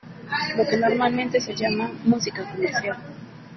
Lo que normalmente se llama "música comercial".